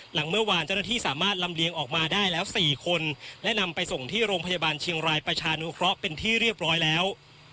หลังเมื่อวานเจ้าหน้าที่สามารถลำเลียงออกมาได้แล้ว๔คนและนำไปส่งที่โรงพยาบาลเชียงรายประชานุเคราะห์เป็นที่เรียบร้อยแล้ว